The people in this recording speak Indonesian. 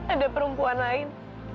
ada perempuan lain